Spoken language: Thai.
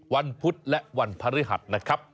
พุธและวันพฤหัสนะครับ